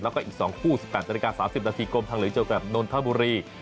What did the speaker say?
แล้วก็อีก๒คู่๑๘๓๐นกลมทางเหลือเจอกับนทบุรี